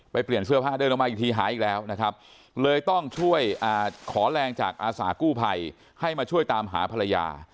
เปลี่ยนเสื้อผ้าเดินออกมาอีกทีหายอีกแล้วนะครับเลยต้องช่วยขอแรงจากอาสากู้ภัยให้มาช่วยตามหาภรรยา